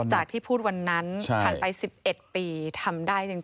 ที่พูดวันนั้นผ่านไป๑๑ปีทำได้จริง